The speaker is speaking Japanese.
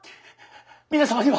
皆様には。